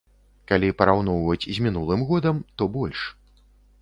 Калі параўноўваць з мінулым годам, то больш.